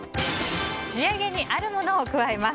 仕上げにあるものを加えます。